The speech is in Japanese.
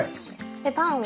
でパンを。